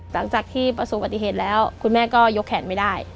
หลังจากที่ประสบปฏิเหตุแล้วคุณแม่ก็ยกแขนไม่ได้